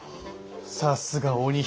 さすが鬼姫。